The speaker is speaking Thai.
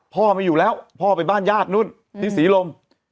พ่อไม่อยู่แล้วพ่อไปบ้านญาตินู้นที่ศรีลม